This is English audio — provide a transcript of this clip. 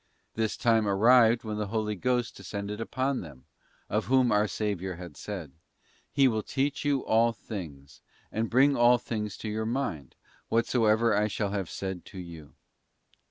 Book This time arrived when the Holy Ghost descended upon them, of whom our Saviour had said: ' He will teach you all things, and bring all things to your mind, whatsoever I shall have said to you.